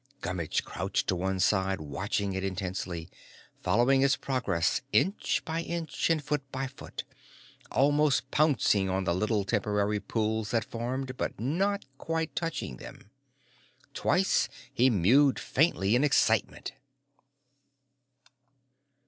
Gummitch crouched to one side, watching it intensely, following its progress inch by inch and foot by foot, almost pouncing on the little temporary pools that formed, but not quite touching them. Twice he mewed faintly in excitement.